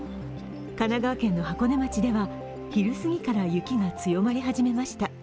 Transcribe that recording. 神奈川県の箱根町では昼すぎから雪が強まりました。